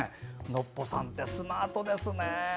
ノッポさんってスマートですね。